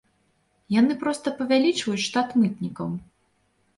Яны проста павялічваюць штат мытнікаў.